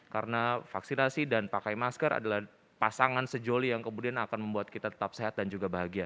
karena vaksinasi dan pakai masker adalah pasangan sejoli yang kemudian akan membuat kita tetap sehat dan juga bahagia